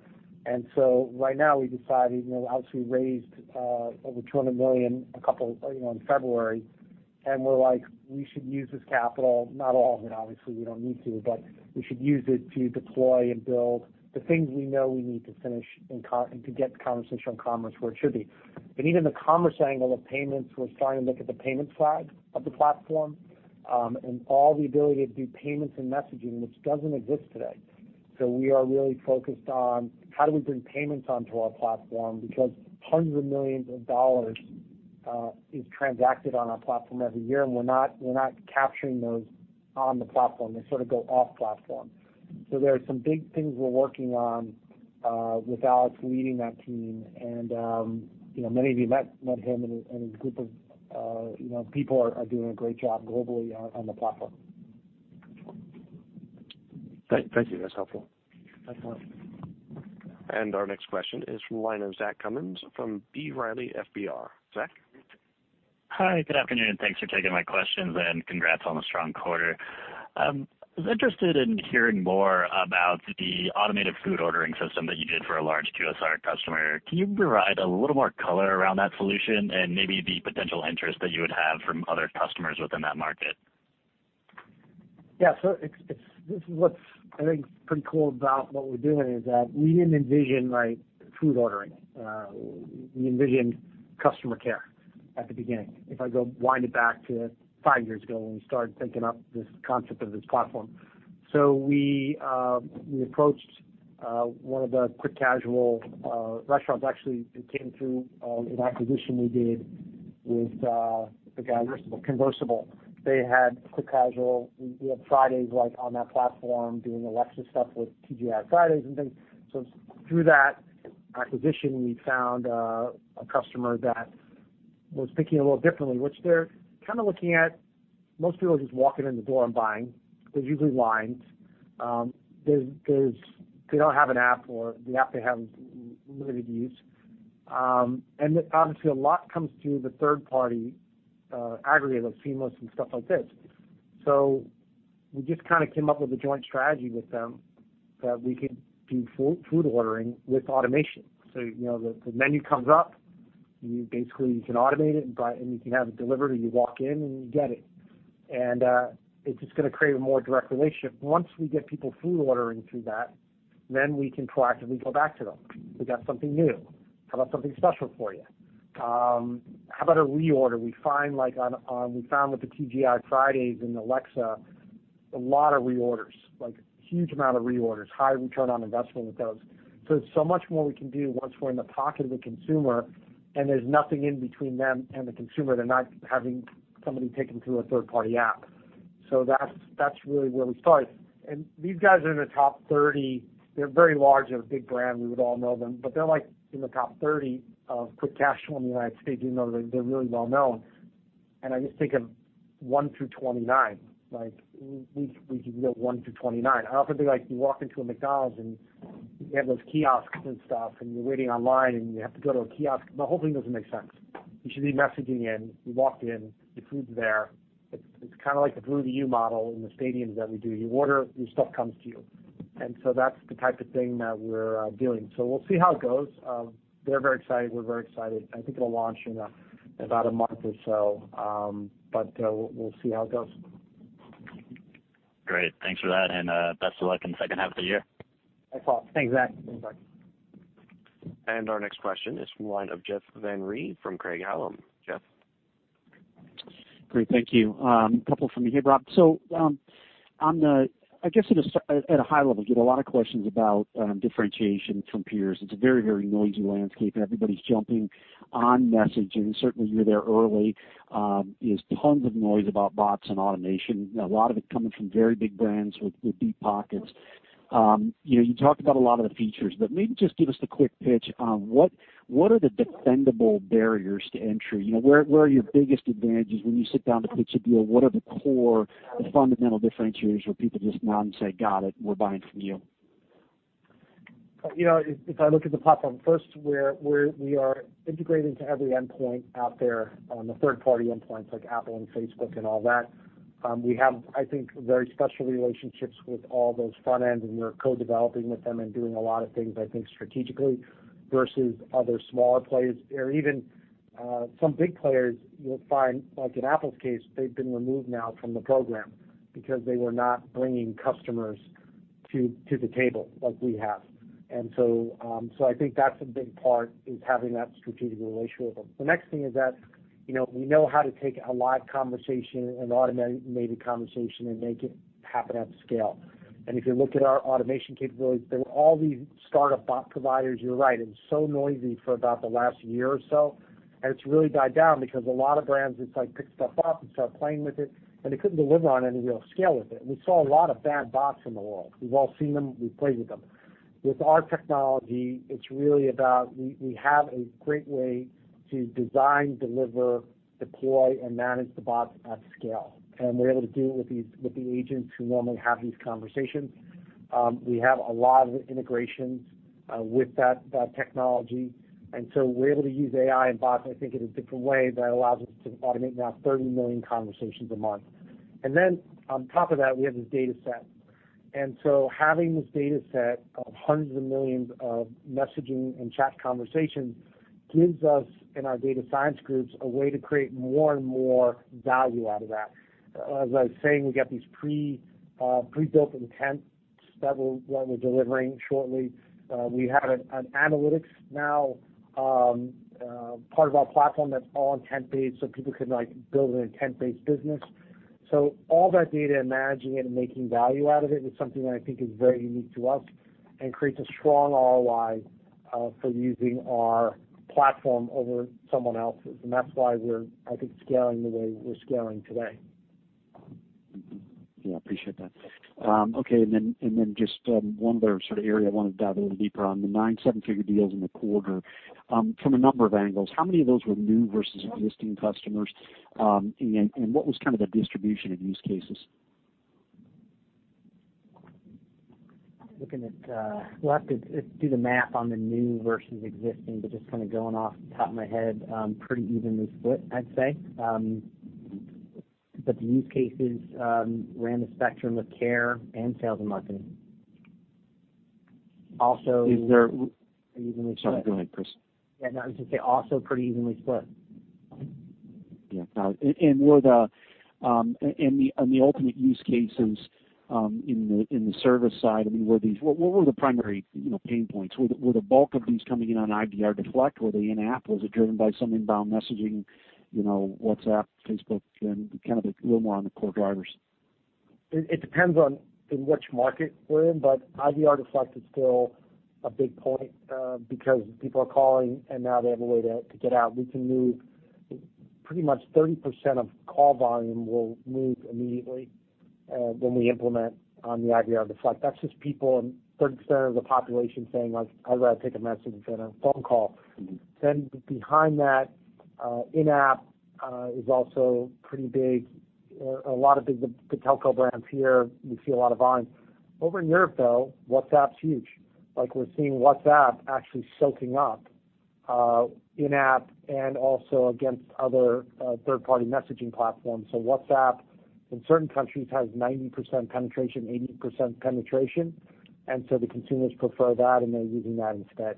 Right now, we decided, obviously, we raised over $200 million in February, and we're like, we should use this capital. Not all of it, obviously, we don't need to, but we should use it to deploy and build the things we know we need to finish and to get conversational commerce where it should be. Even the commerce angle of payments, we're starting to look at the payment side of the platform, and all the ability to do payments and messaging, which doesn't exist today. We are really focused on how do we bring payments onto our platform, because hundreds of millions of dollars is transacted on our platform every year, and we're not capturing those on the platform. They sort of go off platform. There are some big things we're working on with Alex leading that team. Many of you met him and his group of people are doing a great job globally on the platform. Thank you. That's helpful. Excellent. Our next question is from the line of Zach Cummins from B. Riley FBR. Zach. Hi, good afternoon. Thanks for taking my questions. Congrats on the strong quarter. I was interested in hearing more about the automated food ordering system that you did for a large QSR customer. Can you provide a little more color around that solution and maybe the potential interest that you would have from other customers within that market? Yeah. This is what's I think pretty cool about what we're doing is that we didn't envision food ordering. We envisioned customer care at the beginning, if I go wind it back to five years ago when we started thinking up this concept of this platform. We approached one of the quick casual restaurants. Actually, it came through an acquisition we did with the guy, Conversable. They had quick casual. We had Fridays, like, on that platform doing Alexa stuff with TGI Fridays and things. Through that acquisition, we found a customer that was thinking a little differently, which they're kind of looking at most people just walking in the door and buying. There's usually lines. They don't have an app, or the app they have is limited use. Obviously, a lot comes through the third-party aggregator like Seamless and stuff like this. We just kind of came up with a joint strategy with them that we could do food ordering with automation. The menu comes up. You basically can automate it, and you can have it delivered, or you walk in, and you get it. It's just going to create a more direct relationship. Once we get people food ordering through that, then we can proactively go back to them. We got something new. How about something special for you? How about a reorder? We found with the TGI Fridays and Alexa, a lot of reorders, like a huge amount of reorders, high return on investment with those. There's so much more we can do once we're in the pocket of the consumer, and there's nothing in between them and the consumer. They're not having somebody take them through a third-party app. That's really where we started. These guys are in the top 30. They're very large. They're a big brand. We would all know them, they're like in the top 30 of quick casual in the United States, even though they're really well known. I just think of one through 29, like we could go one through 29. I often think, like, you walk into a McDonald's, and you have those kiosks and stuff, and you're waiting online, and you have to go to a kiosk. The whole thing doesn't make sense. You should be messaging in, you walk in, your food's there. It's kind of like the food-to-you model in the stadiums that we do. You order, your stuff comes to you. That's the type of thing that we're doing. We'll see how it goes. They're very excited. We're very excited. I think it'll launch in about a month or so. We'll see how it goes. Great. Thanks for that, and best of luck in the H2 of the year. Thanks, Zach. Our next question is from the line of Jeff Van Rhee from Craig-Hallum. Jeff. Great. Thank you. A couple from me here, Rob. I guess at a high level, I get a lot of questions about differentiation from peers. It's a very, very noisy landscape, and everybody's jumping on messaging. Certainly, you're there early. There's tons of noise about bots and automation, a lot of it coming from very big brands with deep pockets. You talked about a lot of the features, maybe just give us the quick pitch on what are the defendable barriers to entry? Where are your biggest advantages when you sit down to pitch a deal? What are the core fundamental differentiators where people just nod and say, "Got it, we're buying from you"? If I look at the platform first, we are integrating to every endpoint out there on the third-party endpoints like Apple and Facebook and all that. We have, I think, very special relationships with all those front ends, and we're co-developing with them and doing a lot of things, I think, strategically versus other smaller players. Even some big players you'll find, like in Apple's case, they've been removed now from the program because they were not bringing customers to the table like we have. I think that's a big part, is having that strategic relationship with them. The next thing is that we know how to take a live conversation, an automated conversation, and make it happen at scale. If you look at our automation capabilities, there were all these startup bot providers, you're right. It was so noisy for about the last year or so, and it's really died down because a lot of brands, it's like, picked stuff up and started playing with it, and they couldn't deliver on any real scale with it. We saw a lot of bad bots in the world. We've all seen them. We've played with them. With our technology, it's really about we have a great way to design, deliver, deploy, and manage the bots at scale. We're able to do it with the agents who normally have these conversations. We have a lot of integrations with that technology, and so we're able to use AI and bots, I think, in a different way that allows us to automate now 30 million conversations a month. On top of that, we have this data set. Having this data set of hundreds of millions of messaging and chat conversations gives us and our data science groups a way to create more and more value out of that. As I was saying, we've got these pre-built intents that we're delivering shortly. We have an analytics now part of our platform that's all intent-based, so people can build an intent-based business. All that data and managing it and making value out of it is something that I think is very unique to us and creates a strong ROI for using our platform over someone else's. That's why we're, I think, scaling the way we're scaling today. Yeah, appreciate that. Okay, then just one other sort of area I want to dive a little deeper on, the nine seven-figure deals in the quarter. From a number of angles, how many of those were new versus existing customers? What was kind of the distribution of use cases? We'll have to do the math on the new versus existing, but just kind of going off the top of my head, pretty evenly split, I'd say. The use cases ran the spectrum of care and sales and marketing. Is there- Evenly split. Sorry. Go ahead, Chris. Yeah, no. I was going to say also pretty evenly split. Yeah. Got it. The ultimate use cases in the service side, what were the primary pain points? Were the bulk of these coming in on IVR deflect? Were they in-app? Was it driven by some inbound messaging, WhatsApp, Facebook? Kind of a little more on the core drivers? It depends on in which market we're in. IVR deflect is still a big point because people are calling, and now they have a way to get out. We can move pretty much 30% of call volume will move immediately when we implement on the IVR deflect. That's just people and 30% of the population saying, "I'd rather take a message than a phone call." Behind that, in-app is also pretty big. A lot of the telco brands here, you see a lot of volume. Over in Europe, though, WhatsApp's huge. We're seeing WhatsApp actually soaking up in-app and also against other third-party messaging platforms. WhatsApp in certain countries has 90% penetration, 80% penetration, the consumers prefer that, and they're using that instead.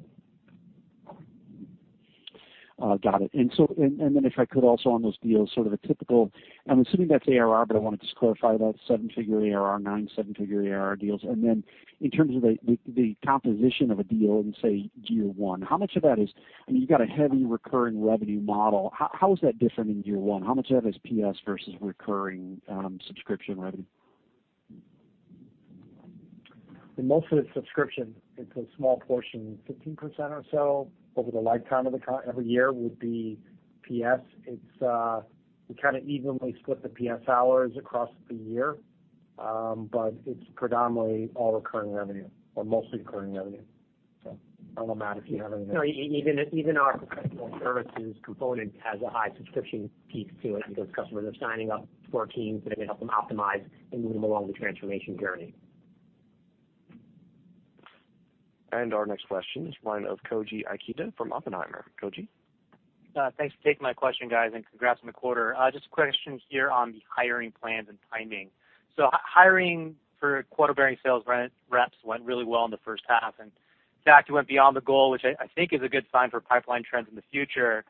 Got it. If I could also on those deals, sort of the typical, I'm assuming that's ARR, but I want to just clarify that seven-figure ARR, nine seven-figure ARR deals. In terms of the composition of a deal in, say, year one, You've got a heavy recurring revenue model. How is that different in year one? How much of that is PS versus recurring subscription revenue? Most of it's subscription. It's a small portion, 15% or so over the lifetime every year would be PS. We kind of evenly split the PS hours across the year. It's predominantly all recurring revenue or mostly recurring revenue. I don't know, Matt, if you have anything. No, even our professional services component has a high subscription piece to it because customers are signing up for our teams, and they help them optimize and move them along the transformation journey. Our next question is one of Koji Ikeda from Oppenheimer. Koji? Thanks for taking my question, guys, and congrats on the quarter. Just a question here on the hiring plans and timing. Hiring for quota-bearing sales reps went really well in the first half, and in fact, you went beyond the goal, which I think is a good sign for pipeline trends in the future.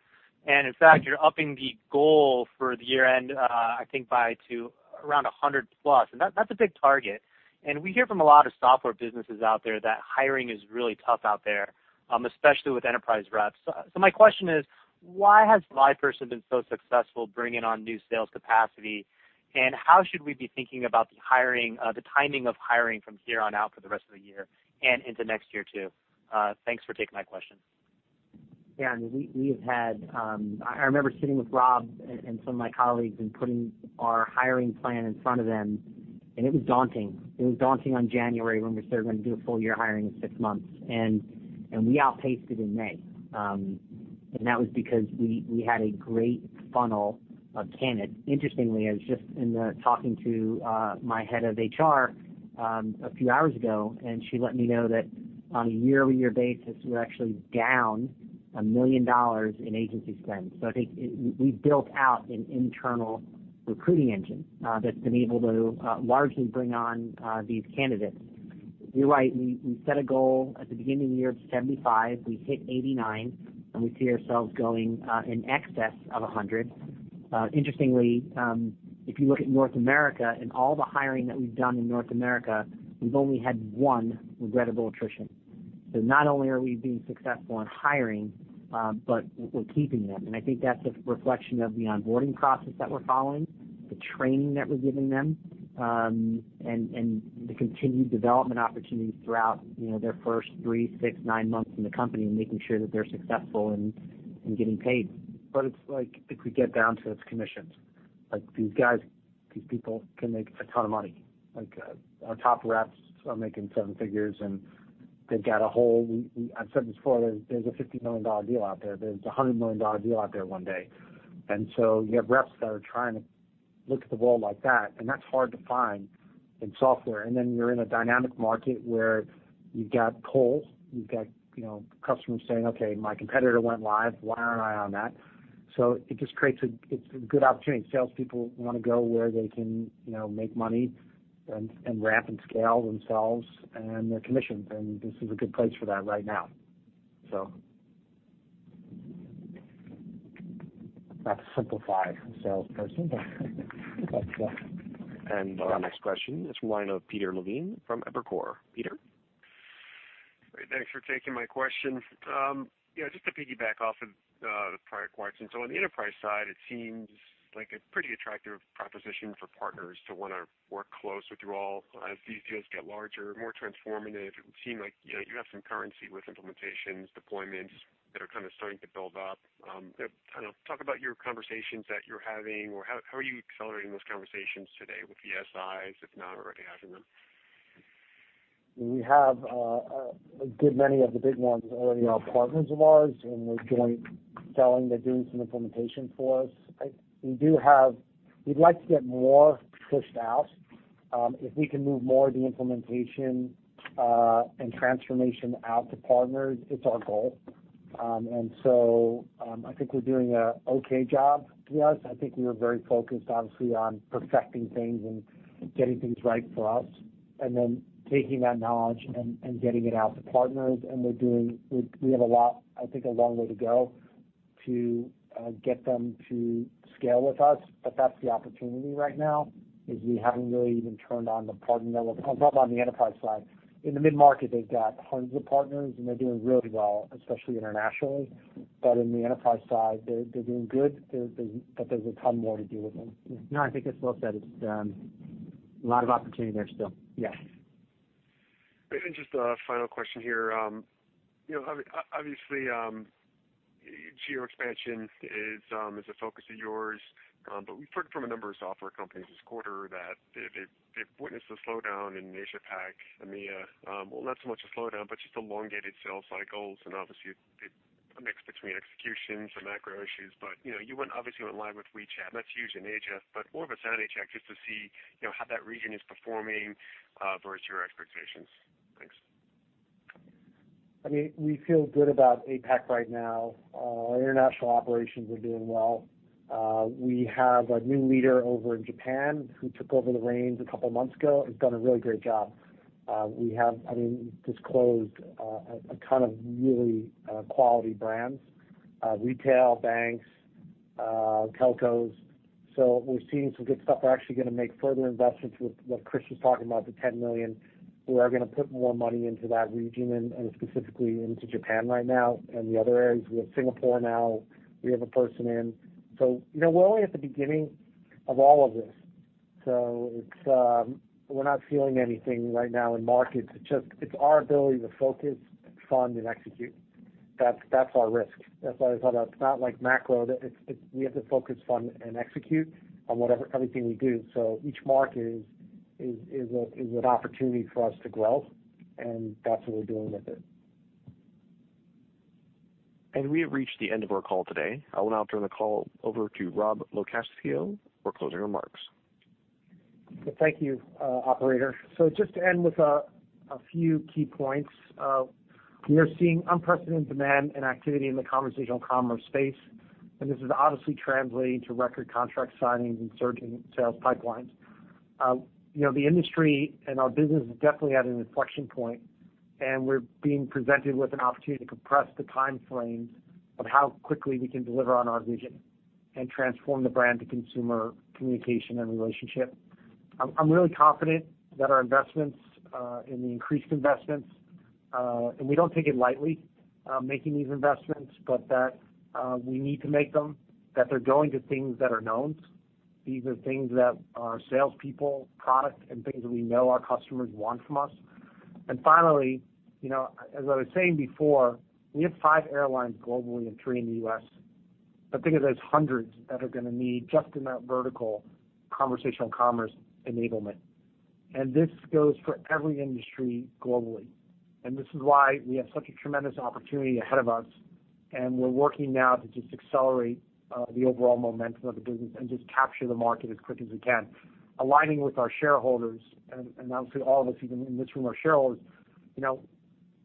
In fact, you're upping the goal for the year-end I think to around 100+, and that's a big target. We hear from a lot of software businesses out there that hiring is really tough out there, especially with enterprise reps. My question is, why has LivePerson been so successful bringing on new sales capacity, and how should we be thinking about the timing of hiring from here on out for the rest of the year and into next year too? Thanks for taking my question. I remember sitting with Rob and some of my colleagues and putting our hiring plan in front of them. It was daunting. It was daunting in January when we said we're going to do a full year hiring in six months. We outpaced it in May. That was because we had a great funnel of candidates. Interestingly, I was just talking to my head of HR a few hours ago. She let me know that on a year-over-year basis, we're actually down $1 million in agency spend. I think we've built out an internal recruiting engine that's been able to largely bring on these candidates. You're right, we set a goal at the beginning of the year of 75. We hit 89. We see ourselves going in excess of 100. Interestingly, if you look at North America and all the hiring that we've done in North America, we've only had one regrettable attrition. Not only are we being successful in hiring, but we're keeping them. I think that's a reflection of the onboarding process that we're following, the training that we're giving them, and the continued development opportunities throughout their first three, six, nine months in the company and making sure that they're successful and getting paid. If we get down to it's commissions. These guys, these people can make a ton of money. Our top reps are making seven figures, I've said this before, there's a $50 million deal out there. There's a $100 million deal out there one day. You have reps that are trying to look at the world like that, and that's hard to find in software. You're in a dynamic market where you've got pull, you've got customers saying, "Okay, my competitor went live. Why aren't I on that?" It's a good opportunity. Salespeople want to go where they can make money and ramp and scale themselves and their commissions. This is a good place for that right now. Not to simplify a salesperson. Our next question is the line of Peter Levine from Evercore. Peter? Great. Thanks for taking my question. Just to piggyback off of the prior question. On the enterprise side, it seems like a pretty attractive proposition for partners to want to work close with you all. As these deals get larger, more transformative, it would seem like you have some currency with implementations, deployments that are kind of starting to build up. Kind of talk about your conversations that you're having, or how are you accelerating those conversations today with the SIs, if not already having them? We have a good many of the big ones already are partners of ours, and they're joint selling. They're doing some implementation for us. We'd like to get more pushed out. If we can move more of the implementation and transformation out to partners, it's our goal. I think we're doing an okay job. To be honest, I think we were very focused, obviously, on perfecting things and getting things right for us, and then taking that knowledge and getting it out to partners, and we have a lot, I think, a long way to go to get them to scale with us. That's the opportunity right now, is we haven't really even turned on the partner level. Well, not on the enterprise side. In the mid-market, they've got hundreds of partners, and they're doing really well, especially internationally. In the enterprise side, they're doing good, but there's a ton more to do with them. No, I think it's well said. It's a lot of opportunity there still. Yes. Just a final question here. Obviously, geo expansion is a focus of yours. We've heard from a number of software companies this quarter that they've witnessed a slowdown in Asia Pac, EMEA. Well, not so much a slowdown, but just elongated sales cycles and obviously, a mix between execution and macro issues. You obviously went live with WeChat, not huge in Asia, but more of a sound check just to see how that region is performing versus your expectations. Thanks. We feel good about APAC right now. Our international operations are doing well. We have a new leader over in Japan who took over the reins a couple of months ago and has done a really great job. We have disclosed a ton of really quality brands, retail, banks, telcos. We're seeing some good stuff. We're actually going to make further investments with what Chris was talking about, the $10 million. We are going to put more money into that region and specifically into Japan right now and the other areas. We have Singapore now. We have a person in. We're only at the beginning of all of this. We're not feeling anything right now in markets. It's our ability to focus, fund, and execute. That's our risk. That's why I thought it's not like macro. We have to focus, fund, and execute on everything we do. Each market is an opportunity for us to grow, and that's what we're doing with it. We have reached the end of our call today. I will now turn the call over to Rob LoCascio for closing remarks. Thank you, operator. Just to end with a few key points. We are seeing unprecedented demand and activity in the conversational commerce space, and this is obviously translating to record contract signings and surging sales pipelines. The industry and our business is definitely at an inflection point, and we're being presented with an opportunity to compress the time frames of how quickly we can deliver on our vision and transform the brand-to-consumer communication and relationship. I'm really confident that our investments and the increased investments, and we don't take it lightly making these investments, but that we need to make them, that they're going to things that are knowns. These are things that our salespeople, product, and things that we know our customers want from us. Finally, as I was saying before, we have five airlines globally and three in the U.S., but think of those hundreds that are going to need, just in that vertical, conversational commerce enablement. This goes for every industry globally. This is why we have such a tremendous opportunity ahead of us, and we're working now to just accelerate the overall momentum of the business and just capture the market as quick as we can. Aligning with our shareholders, and obviously all of us, even in this room, are shareholders,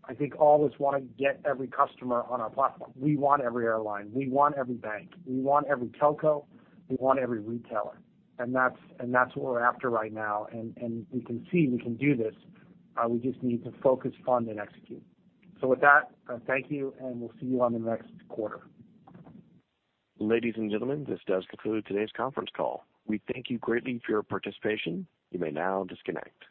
I think all of us want to get every customer on our platform. We want every airline. We want every bank. We want every telco. We want every retailer. That's what we're after right now, and we can see we can do this. We just need to focus, fund, and execute. With that, thank you, and we'll see you on the next quarter. Ladies and gentlemen, this does conclude today's conference call. We thank you greatly for your participation. You may now disconnect.